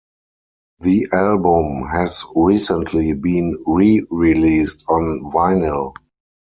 The album has recently been re-released on vinyl.